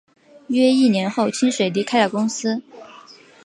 约一年后清水离开了公司。